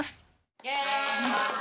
イェーイ！